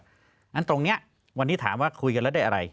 เพราะฉะนั้นตรงนี้วันนี้ถามว่าคุยกันแล้วได้อะไร